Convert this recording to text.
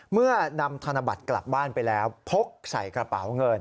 เมื่อนำธนบัตรกลับบ้านไปแล้วพกใส่กระเป๋าเงิน